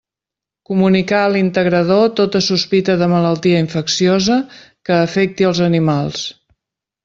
Comunicar a l'integrador tota sospita de malaltia infecciosa que afecti els animals.